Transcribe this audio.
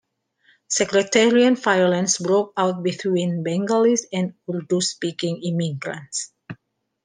Sectarian violence broke out between Bengalis and Urdu-speaking immigrants.